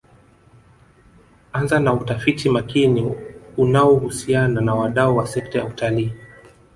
Anza na utafiti makini unaohusiana na wadau wa sekta ya utalii